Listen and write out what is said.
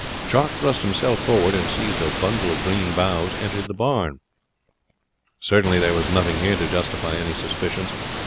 Jock thrust himself forward, and seizing a bundle of green boughs, entered the barn. Certainly there was nothing here to justify any suspicions.